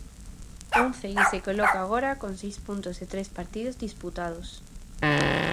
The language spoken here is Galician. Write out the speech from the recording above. Un Cee que se coloca agora con seis puntos e tres partidos disputados.